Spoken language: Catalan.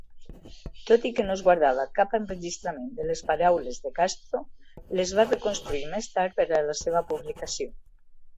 Tot i que no es guardava cap enregistrament de les paraules de Castro, les va reconstruir més tard per a la seva publicació.